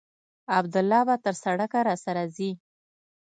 عبدالله به تر سړکه راسره ځي.